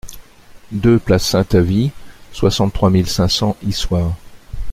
deux place Saint-Avit, soixante-trois mille cinq cents Issoire